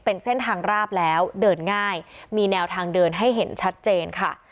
เป็นเส้นทางราบแล้วเดินง่ายมีแนวทางเดินให้เห็นชัดเจนค่ะ